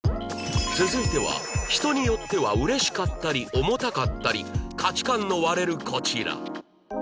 続いては人によってはうれしかったり重たかったり価値観の割れるこちら